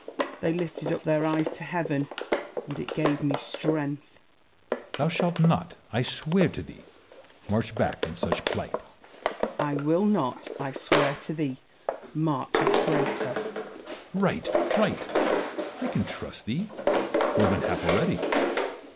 They lifted up their eyes to heaven, and it gave me sti'ength. Edward. Thou shalt not, I swear to thee, march back in such plight. Wallace. I will not, I swear to thee, march a traitor. Edward. Right ! right ! I can trust thee — more than half already.